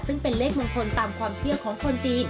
ซึ่งเป็นเลขมงคลตามความเชื่อของคนจีน